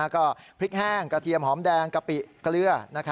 ก็พริกแห้งกระเทียมหอมแดงกะปิเกลือ